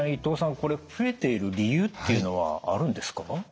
これ増えている理由っていうのはあるんですか？